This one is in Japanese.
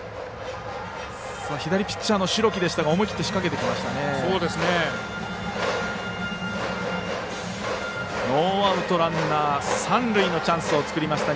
左ピッチャーの代木でしたが思い切って仕掛けてきましたね。